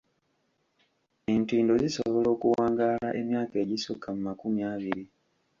Entindo zisobola okuwangaala emyaka egisukka mu makumi abiri.